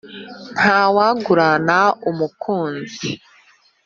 ntawangurana umukinzi